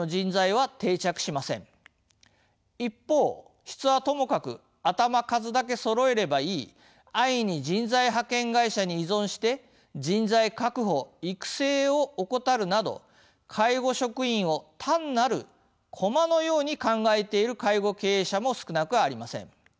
一方「質はともかく頭数だけそろえればいい」「安易に人材派遣会社に依存して人材確保・育成を怠る」など介護職員を単なる駒のように考えている介護経営者も少なくありません。